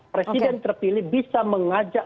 presiden terpilih bisa mengajak